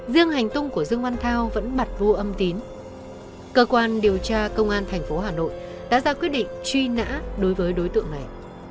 riêng hành tung của dương văn thao vẫn mặt vô âm tín cơ quan điều tra công an tp hà nội đã ra quyết định truy nã đối với đối tượng này